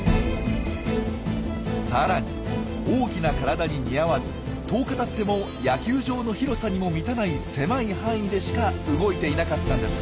さらに大きな体に似合わず１０日たっても野球場の広さにも満たない狭い範囲でしか動いていなかったんです。